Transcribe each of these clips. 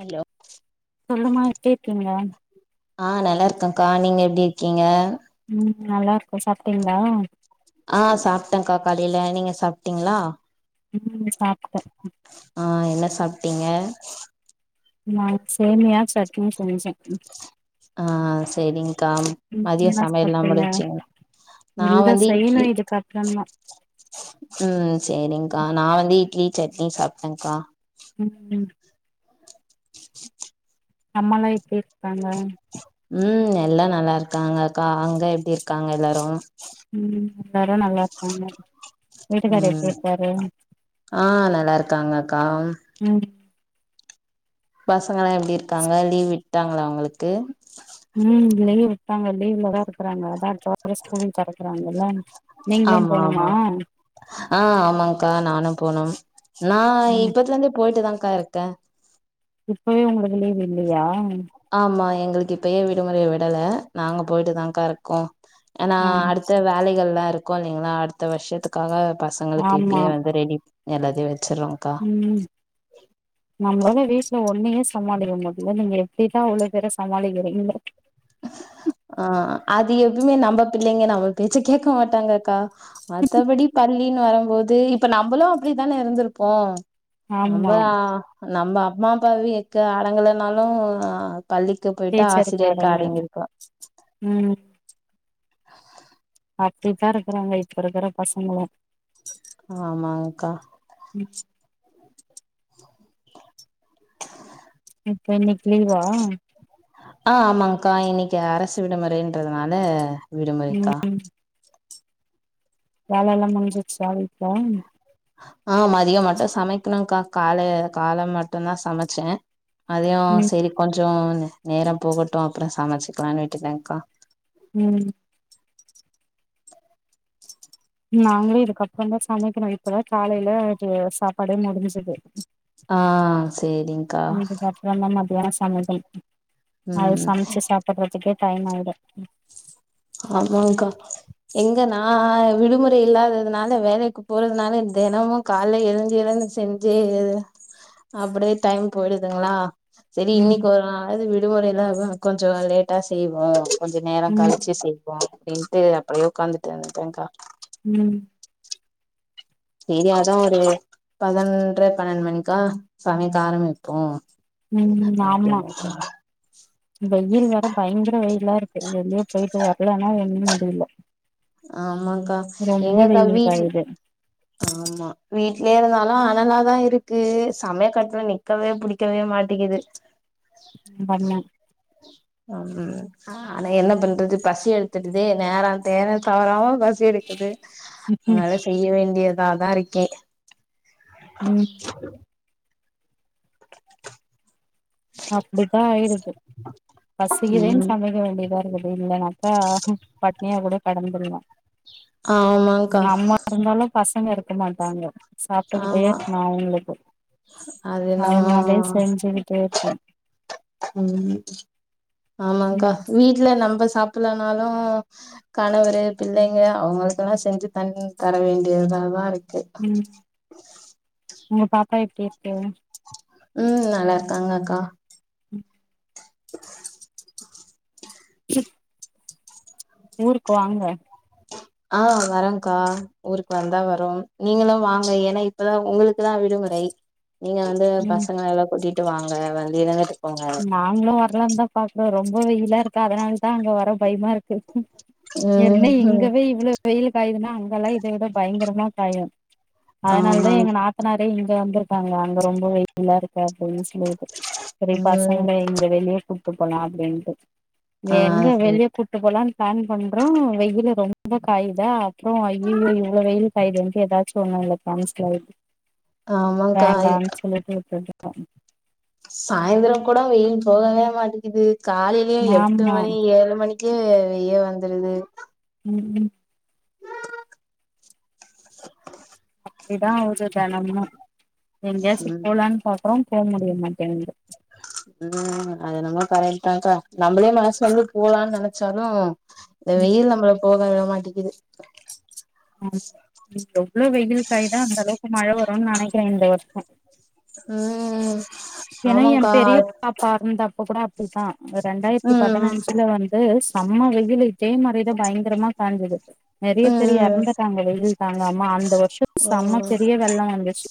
hello சொல்லுமா எப்டி இருக்கீங்க ஆ நல்லா இருக்கங்க்கா நீங்க எப்டி இருக்கீங்க ம் நல்லாருக்கோ சாப்ட்டீங்ளா ஆ சாப்ட்டேங்க்கா காலைல நீங்க சாப்ட்டீங்ளா ம் சாப்ட்டே ஆ என்ன சாப்ட்டீங்க நா சேமியா சட்னி செஞ்சே ஆ செரிங்க்கா ம் மதிய என்ன சமையல்லா சாப்ட்டீங்க முடிஞ்ச்சிங்ளா நா இல்ல வந்து செய்யணு இட்லி இதுக்கப்றந்தா அ சேரி்ங்க்கா நா வந்து இட்லி சட்னி சாப்ட்டங்க்கா அம் [unintelligible] அம்மாலா எப்டி இருக்காங்க ம் எல்லா நல்லா இருக்காங்கக்கா அங்க எப்டி இருக்காங்க எல்லாரு ம் எல்லாரு நல்லாருக்காங்க ம் ஆ நல்லா இருக்காங்கக்கா ம் பசங்களா எப்டி இருக்காங்க லீவ் விட்டாங்களா அவ்ங்களுக்கு ம் லீவு விட்டாங்க லீவ்ல தா இருக்குறாங்க அதா ஜூன் ஃபஸ்ட் ஸ்கூல் தொறக்குறாங்கல்ல ஆமா ஆமா ஆ ஆமாங்க்கா நானு போனம் நா ம் இப்பத்துலருந்தே போயிட்டுதாங்க்கா இருக்கே இப்பயே உங்களுக்கு லீவு விட்லையா ஆமா எங்களுக்கு இப்பயே விடுமுறைய விடல நாங்க போயிட்டுதாங்க்கா இருக்கோ ஏனா ஆ அடுத் த்த வேலைகள்லா இருக்கு இல்லைங்களா அடுத்த வர்ஷத்துக்காக பசங்களுக்கு ஆமா இப்பயே வந்து ரெடி எல்லாத்தையு வெச்சுர்றோங்க்கா ம் நம்மளால வீட்ல ஒன்னயே சமாளிக்க முடில நீங்க எப் ப்டிதா அவ்ளோ பேர சமாளிக்கிறீங்களோ ஆ அது எப்பமே நம்ப பிள்ளைங்க நம்ம பேச்ச கேட்க மாட்டாங்கக்கா மத்தபடி பள்ளினு வரம்போது இப்ப நம்பளு அப்டித்தானே இருந்திருப்போ ஆமா நம்பளா நம்ப அம்மா அப்பாவிக்கு ஆடங்கலனாலு பள்ளிக்கு போய்ட்டா ஆசிரியர் அடங்குனோ அ அ அப்டித்தா இருக்குறாங்க இப்ப இருக்கிற பசங்களு ஆமாங்கக்கா ம் இப்ப ஒனக் லீவா ஆ ஆமாங்க்கா இன்னைக்கு அரசு விடுமுறைன்றதுனால விடுமுறைக்கா ம் வேலலா முடிஞ்சிருச்சா வீட்ல ஆ மதிய மட்டு சமைக்கணுக்கா கால கால மட்டுந்தா சமைச்சே அதையு ம் சேரி கொஞ்சோ நேரம் போகட்டும் அப்றோ சமைச்சுக்கலான்னு விட்டுட்டேங்க்கா உம் நாங்களும் இதுக்கப்றோ தா சமைக்கணு இப்ப தா காலைல சாப்பாடே முடிஞ்சது ஆ சேரிங்க்கா என்ன மத்யானம் சமைக்கணு அது ம் சமைச்சு சாப்பட்றதுக்கே டைம் ஆயிடும் ம் ஆமாங்க்கா எங்க நா விடுமுறை இல்லாததுனால வேலைக்கு போறதுனால தெனமு கால்ல எழுந்து எழுந்து செஞ்சு அப்படியே டைம் போயிடுதுங்ளா சேரி ம் இன்னைக்கு ஒருநாளாது விடுமுறைல இருக்கோ கொஞ்சோ லேட்டா செய்வோ கொஞ்சோ நேரம் ம் கழிச் சி செய்வோ அப்டின்ட்டு அப்படியே உக்காந்துட்டு இருந்துட்டேங்க்கா உம் சேரி அத்தா அது பதனொன்ரை பன்னெண்டு மணிக்கா சமைக்க ஆரம்பிப்போ உம் ஆமா அப்டின்னு வெயில் வேற பயங்கர வெயில இருக்கு வெளிய போயிட்டு வரலான்னா ஒன்னும் முடில ஆமாங்க்கா எங்கக்கா வெயில் வீட் காயுது ஆமா வீட்லயே இருந்தாலு அனலாதா இருக்கு சமைய கட்ல நிக்கவே புடிக் கவே மாட்டிக்குது ப்பண்ணே வந்து அ ஆனா என்ன பண்றது பசி எடுத்துடுதே நேரோ தேரோ தவறாம ப சி எடுக்குது அதனால செய்ய வேண்டியதா தா இருக்கே உம் அப்டித்தா ஆயிடுது பசிக்குதேன்னு ம் சமைக்க வேண்டியதா இருக்குது இல்லன்னா பா பட்னியா கூட கடந்துட்ணு ஆமாங்க்கா பெரும்பாலும் பசங்க இருக்க மாட்டாங்க சாப்ட்டுக்கிட்டே ஆமா இருக்கணு அவுங்ளுக்கு அது என்னமோ அதனாலயே செஞ்சுக்கிட்டே இருக்கணு உம் ம் ஆமாங்க்கா வீட்ல நம்ப சாப்புட்லனாலு கணவரு பிள்ளைங்க அவங்களுக்குல்லா செஞ்சு தன் தர வேண்டியதா தா இருக்கு ம் உங்க பாப்பா எப்டி இருக்கு உம் நல்லா இருக்காங்கக்கா உம் ஊர்க்கு வாங்க ஆ வரேங்க்கா ஊருக்கு வந்தா வருவோ நீங்களும் வாங்க ஏன்னா இப்பதா உங்ளுக் குதா விடுமுறை நீங்க வந்து ம் பசங்கள எல்லா கூட்டிட்டு வாங்க வந்து இருந்துட்டு போங்க நாங்களு வரலான்னு தா பாக்கறோ ரொம்ப வெயிலா இருக்கு அதனால தா அங்க வர பயமா இருக்கு ஏற்கனவே ம் இங்கவே இவ்ளோ வெயிலு காயுதுன்னா அங்கல்லா இத விட பயங்கரமா காயு அதனால தா ஆமா எங்க நாத் தனாரே இங்க வந்திருக்காங்க அங்க ரொம்ப வெயிலா இருக்கு அப்டின்னு சொல்லிட்டு சரி ம் பசங்கள இங்க வெளிய கூட்டு போலா அப்டின்ட்டு இங்க ஆ எங்க வெளிய கூட் கூட்டு போலான்னு பிளான் பண்றோ வெயிலு ரொம்ப காயுதா அப்றோ ஐய்யய்யோ இவ்ளோ வெயிலு சைடு வந்து ஏதாச்சி ஒன்னுல்ல கேன்சல் ஆயிடுது ஆமாக்கா வேண்டான்னு சொல்லிட்டு உட்டுட்டு ஆம் சாய்ந்திரோ கூட வெயில் போகவே மாட்டேக்குது கால்லயு எட்டு ஆமா மணி ஏழு மணிக் ட்டு வெய வந்துருது ம் ம் அப்டிதா அவுது தெனமோ எங்கயாச்சு ம் போலான்னு பாக்குறோம் போ முடிய மாடேன்து ம் அது என்னமோ கரெக்டுதாகா நம்மளே மனசு வந்து போலானு நெனச்சாலோ இந்த ம் வெயில் நம்மள போக விட மாட்டிகுது ஆமா எவ்ளோ வெயில் காயிதோ அந்த அளவுக்கு மழ வரோனு நெனைக்குற இந்த வருஷோ ம் ஏனா எ ஆமாக்கா பெரிய பாப்பா இருந்தப்ப கூட அப்டித்தா ரெண்டாயிரத்தி ம் பதினஞ்சுல வந்து சம்ம வெயிலு இதே மாறி தா பயங்கரமா காஞ்சது நெறய பேரு ம் இறந்துட்டாங்க வெயில் தாங்காமா அந்த வருஷோ செம்ம ம் பெரிய வெள்ளோ வந்துச்சு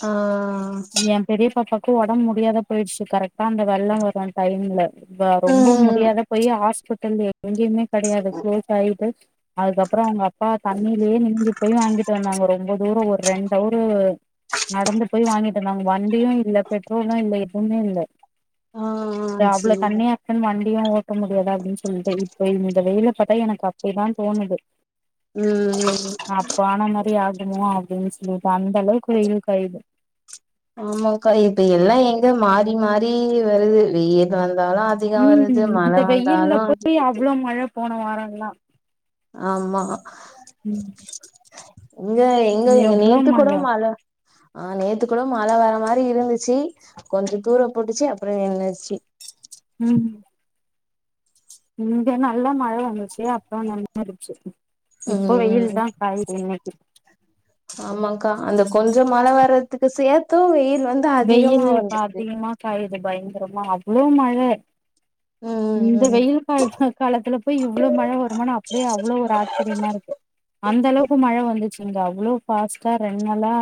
ஆ என் பெரிய பாப்பாக்கு உடம்பு முடியாத போயிடுச்சு கரெக்டா அந்த வெள்ளோ வரும் டைம்ல ரொம்ப ம் முடியாத போய் ஹாஸ்பிட்டல்ல எங்கியுமே கடையாது குளோஸ் ஆயிட்டு அதுக்கப்றோ அவங்க அப் பா தண்ணிலயே நிந்தி போய் வாங்கிட்டு வந்தாங்க ரொம்ப தூரோ ஒரு ரெண்டவரு நடந்து போய் வாங்கிட்டு வந்தாங்க வண்டியும் இல்ல பெட்ரோலும் இல்ல எதுவுமே இல்ல ஆ அவ்ளோ சேரி தண்ணியா வண்டியு ஓட்ட முடியாதா அப்டினு சொல்லிட்டு இப்ப இந்த வெயில பாத்தா எனக்கு அப்டிதான் தோணுது ம் ஆமா போன மாறி ஆகுமோ அப்டின்னு சொல்லிட்டு அந்த அளவுக்கு வெயில் காயிது ஆமாக்கா இப்ப எல்லா எங்க மாறி மாறி வருது வெயில் வந்தாலோ அது ம் இப்போ வெயில்ல போய் வருது அவ்ளோ மழ போன வாரோல்லா ஆம்மா ம் இங்க எங்க இங்க நேத்து கூட மழ ஆ நேத்து கூட மழ வர மாறி இருந்துச்சி கொஞ்சோ தூர போட்டுச்சி அப்றோ நின்னுச்சு ம் இங்க நல்லா மழ வந்துச்சு அப்றோ நின்னுடுச்சு இப்போ வெயில் ம் தா காயிது இன்னைக்கு ஆமாக்கா அந்த கொஞ்சோ மழ வர்றதுக்கு சேத்தும் வெயில் வந்து வெயில் அதிகமா வந்துருது பாத்தீங்கனா காயிது பயங்கரமா அவ்ளோ மழ இந்த ம் ம் வெயில் [unintelligible] காலத்துல போய் இவ்ளோ மழ வருமானு அப்படியே அவ்ளோ ஒரு ஆச்சிரியமா இருக்கு அந்த அளவுக்கு மழ வந்துச்சு இங்க அவ்ளோ பாஸ்ட்டா ரெண் நாளா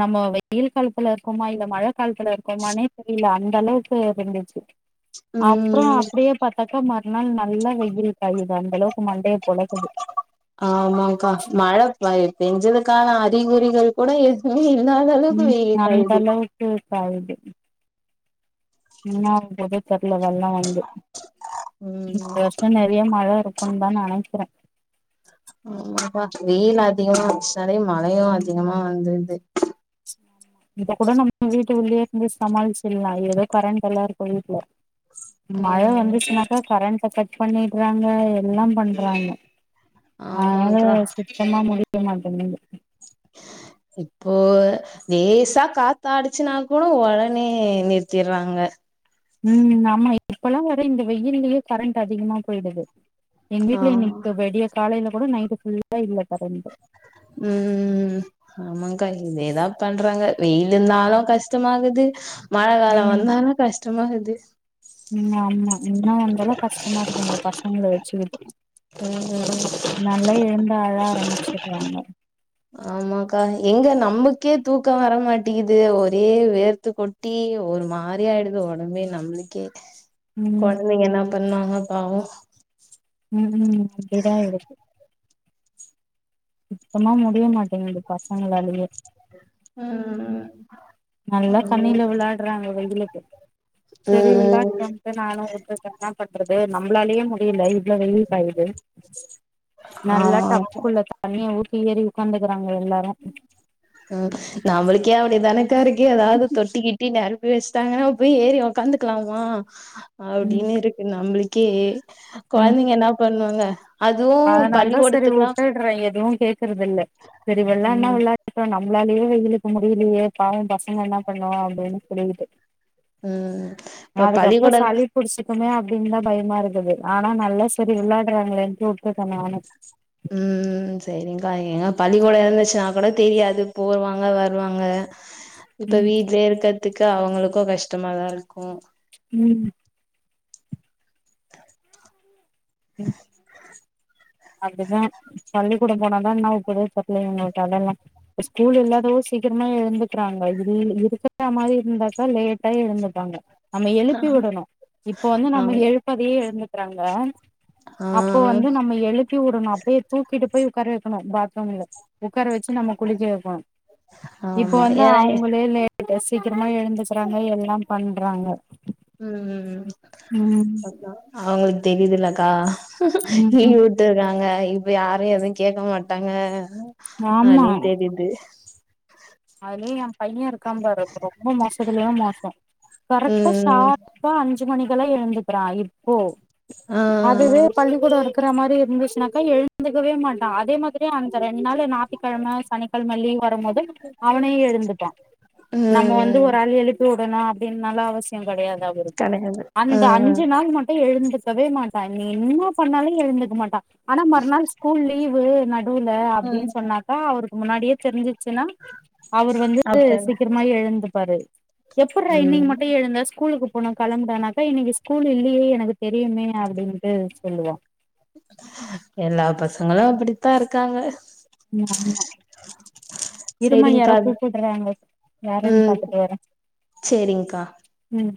நம்ம வெயில் காலத்துல க்குமா இல்ல மழை காலத்துல இருக்கமானே தெரியல அந்த அளவுக்கு இருந்துச்சு அப்புறம் ம் அப்டியே பத்த தா மறுனாள் நல்லா வெயில் காயுது அந்த அளவுக்கு மண்டையை பொழக்குது ஆமாக்கா மழ பெஞ்சதுக்கான அறிகுறிகள் கூட எதுமே இல்லாத அளவுக்கு வெயில் காயுது வெயில் காயுது என்ன ஆவபோதோ தெரியல வெல்லம் வந்து இந்த ம் வருஷம் நிறைய மழை இருக் க்கும் தான் நினைக்கிறேன் ஆமாப்பா வெயில் அதிகமா வந்துச்சுனாலே மழையு அதிகமா வந்துருது இப்ப கூட நம்ம வீட்டு உள்ளயேுுு இருந்து சமாளிச்சிற்லா ஏதோ கரண்ட்டெல்லா இருக்கு வீட்ல ம் மழ வந்துச்சுனாக்கா கரண்ட்ட கட் பண்ணிட்றாங்க எல்லா பண்றாங்க ஆமாக்கா அதனால சுத்தமா முடிய மாட்டேங்குது இப்போ லேசா காத்தா அடிச்சுனா கூட ஒடனே நிறுத்திட்றாங்க ம் ஆமா இப்பலா ஒரே இந்த வெயில்லயே கரண்ட் அதிகமா போயிடுது எங் வீட்ல ஆமா இன்னைக்கு வெடிய காலைல கூட நைட்டு் ஃபுல்லா இல்ல கரண்ட்டு ம் ம் ஆமாங்க்கா இதேதா பண்றாங்க வெயில் இந்தாலு கஷ்டமாக்குது மழக் கால ம் வந்தாலு கஷ்டமாக்குது ம் ஆமா என்னாவா இருந்தாலு கஷ்டமா இருக்கு இந்த பசங்கள வெச்சுக்கிட்டு ம் நல்லா எழுந்து அழ ஆரம்மிச்சுட்றாங்க ஆமாக்கா எங்க நம்மக்கே தூக்க வரமாட்டிக்குது ஒரே வேர்த்து கொட் ட்டி ஒரு மாரி ஆயிடுது ஒடம்பே நம்ளுக்கே ம் கொழந்தைங்க என்ன பண்ணுவாங்க பாவோ ம் ம் இப்டிதா இருக்கு சுத்தமா முடிய மாட்டிங்குது பசங்களாலேயே அ நல்லா தண்ணில விளாட்றாங்க வெயிலுக்கு செரி ம் ம் விளாட்டு நானு உட்டுட்டே என்னா பண்றது நம்பளாலேயே முடியல இவ்ளோ வெயில் காயுது நல்லா ஆமாக்கா டப்புக்குள்ள தண்ணிய ஊத்தி ஏறி உக்காந்துக்குறாங்க எல்லாரு அ நம்மளுக்கே அப்டி தானக்கா இருக்கு எதாவ்து தொட்டிக்கிட்டி நெரம்பி வெச்சுட்டாங்கனா போய் ஏறி ஒக்காந்து க்லாமா ம் அப்டின்னு இருக்கு நம்ளுக்கே கொழந்தைங்க என்ன பண்ணுவாங்க அதுவு அதனால தா செரி பள்ளிக்கூடத்துக்குல்லா வுட்டுட்றே எதுவு கேக்குறதில்ல செரி வெளாட்னா ம் வெளாட் டு நம்மளாலயே வெயிலுக்கு முடியலையே பாவ பசங்க என்ன பண்ணு அப்டின்னு சொல்லிக்கிட்டு ம் இப்ப அதுக்கப்றோ பள்ளிக்கூடம் சளிப் புடிச்சுக்குமே அப்டின்தா பயமா இருந்தது ஆனா நல்லா செரி விளாட்றாங்களேன்ட்டு வுட்டுடே நானு ம் சேரிங்க்கா எங்க பள்ளிக்கூட இருந்துச்சுனா கூட தெரியாது போவாங்க வருவாங்க இப்ப ம் வீட்லே இருக்கற்த்துக்கு அவுங்களுக்கு கஷ்டமாதா இருக்கு ம் ம் அப்டிதா பள்ளிக்கூட போனாதா என்ன ஆவப்போதோ தெர்ல இவ்ங்க கதெல்லா இப்ப ஸ்கூல் இல்லாதவோ சீக்கிரமா எழுந்துக்குறாங்க இல் இருக்குற மாரி இருந்தாக்கா லேட்டா எழுந்துப்பாங்க நம்ம எழுப்பி வுடணு இப்ப வந்து ஆ நம்ம எழுப்பாதையே எழுந்துக்குறாங்க ஆ அப்ப வந்து நம்ம எழுப்பி வுடணு அப்டியே தூக்கிட்டு போய் உக்கார வைக்கணு பாத்ரூம்ல ஒக்கார வெச்சு நம்ம குளிக்க வெப்போ இப்ப ஆமா வந்து ஏன்னா அவ்ங்களே லே இப்ப சீக்கிரமா எழுந்துகுறாங்க எல்லா பண்றாங்க ம் ம் ம் ம் அவ்ங்க்ளுக்கு தெரியுதுலக்கா ம் நீ ம் ஒட் ட்டு தாங்க இப்ப யாரு எதையு கேக்க மாட்டாங்க ஆமா அப்டின் தேடிட்டு அதுலயு எ பைய இருக்கா பாரு ரொம்ப மோசத்துலயு மோச கரெக்டா ம் ஷார் ப்பா அஞ்சு மணிக்கெல்லா எழுந்துக்குறா இப்போ ஆ அதுவே பள்ளிக்கூட இருக் க்குற மாரி இருந்துச்சுனாக்கா எழுந்துருக்கவே மாட்டா அதே மாதிரி அந்த ரெண்டு நாளு ஞாத்திக்கெழம சனிக் கெழம லீவ் வரமோது அவனே எழுந்துப்பா நம்ம வந்து ம் ஒரு ஆள் எழுப்பி வுடணு அப்டின்னல்லா அவசியம் கெடையாது [unintelligible] இருப்ப கெடையாது அந்த ம் அஞ்சு நாள் மட்டும் எழுந்திரு க்கவே மாட்டா நீ என்னா பண்ணாலு எழுந்துக்க மாட்டா ஆனா மறுநாள் ஸ்கூல் லீவு நடுவுல அப்டின் சொன்னாக்கா அவருக்கு முன்னாடியே தெரிஞ்சிருச்சுன்னா அவரு வந்து அப்ப என்ன சீக்கிரமா எழுந்துப்பாரு எப்புட்றா ம் இன்னிக்கு மட்டும் எழுந்த ஸ்கூலுக்கு போனு கெளம்புடானாக்க இன்னிக்கு ஸ்கூல் இல்லயே எனக்கு தெரியுமே அப்டின்ட்டு சொல்லுவா எல்லா பசங்களு அப்டித்தா இருக்காங்க ம் ஆமா இரும்மா யாரோ செரிங்க்கா கூப்பிட்றாங்க யாருன்னு பாத்துட்டு வரே சேரிங்க்கா ம்